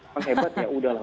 kalau hebat ya udahlah